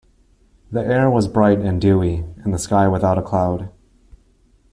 The air was bright and dewy and the sky without a cloud.